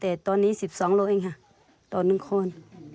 แต่ตอนนี้๑๒กิโลกรัมเองค่ะตัวหนึ่งคน